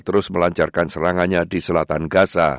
terus melancarkan serangannya di selatan gaza